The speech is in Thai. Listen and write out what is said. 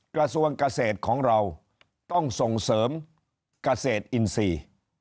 กระทรวงเกษตรของเราต้องส่งเสริมกระเศษอินซี